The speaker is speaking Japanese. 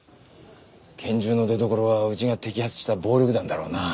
拳銃の出どころはうちが摘発した暴力団だろうな。